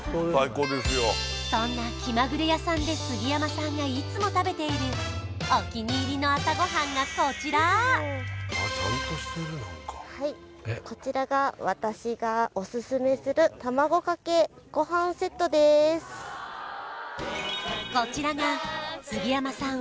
そんな気まぐれ屋さんで杉山さんがいつも食べているお気に入りの朝ごはんがこちらはいこちらが私がオススメするこちらが杉山さん